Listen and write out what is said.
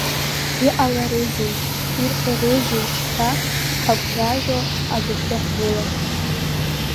Иҟаларызеишь, ирҳәарызеишь ҳәа ҳагәжәажәо адәахьы ҳгылан.